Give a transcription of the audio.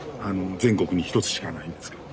全国に一つしかないんですけども。